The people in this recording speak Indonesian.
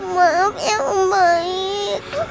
maaf ya om baik